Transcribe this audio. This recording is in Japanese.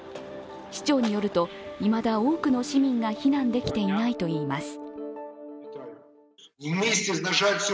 市長によると、いまだ多くの市民が避難できていないといいます。